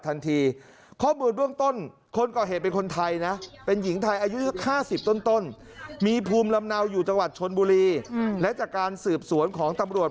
ตรงนี้ตรงนี้ตรงนี้ตรงนี้ตรงนี้ตรงนี้ตรงนี้ตรงนี้ตรงนี้ตรงนี้ตรงนี้